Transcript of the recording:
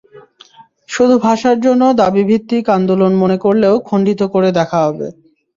শুধু ভাষার জন্য দাবিভিত্তিক আন্দোলন মনে করলেও খণ্ডিত করে দেখা হবে।